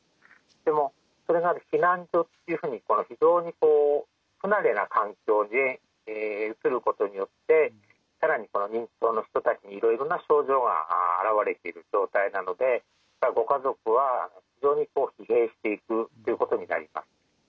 でもそれが避難所っていうふうに非常にこう不慣れな環境に移ることによって更にこの認知症の人たちにいろいろな症状が現れている状態なのでご家族は非常に疲弊していくっていうことになります。